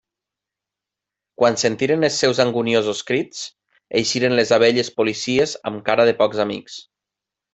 Quan sentiren els seus anguniosos crits, eixiren les abelles policies amb cara de pocs amics.